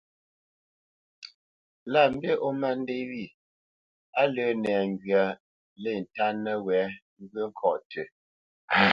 Lâ mbî ó má ndê wyê, á lə́ nɛŋgywa lê ntánə́ nəwɛ̌ ŋgyə̂ ŋkɔ̌ tʉ́,